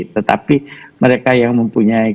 tetapi mereka yang mempunyai